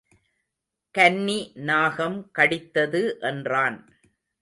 கன்னி நாகம் கடித்தது என்றான்.